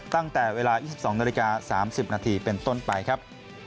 ตั้งแต่เวลา๒๒นาฬิกา๓๐นาทีเป็นต้นไปครับ